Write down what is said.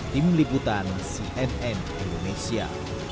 tim liputan cnn indonesia